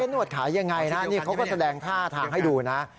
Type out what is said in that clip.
นวดขายยังไงนะนี่เขาก็แสดงท่าทางให้ดูนะ